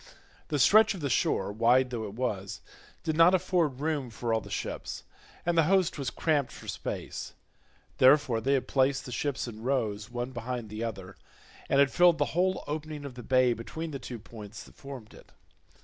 The stretch of the shore, wide though it was, did not afford room for all the ships, and the host was cramped for space, therefore they had placed the ships in rows one behind the other, and had filled the whole opening of the bay between the two points that formed it.